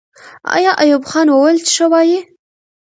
آیا ایوب خان وویل چې ښه وایي؟